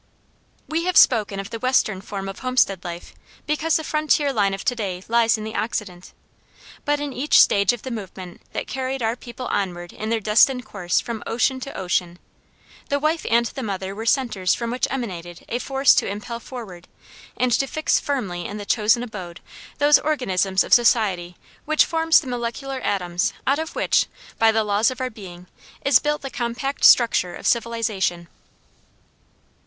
We have spoken of the western form of homestead life because the frontier line of to day lies in the occident. But in each stage of the movement that carried our people onward in their destined course from ocean to ocean, the wife and the mother were centers from which emanated a force to impel forward, and to fix firmly in the chosen abode those organisms of society which forms the molecular atoms out of which, by the laws of our being, is built the compact structure of civilization.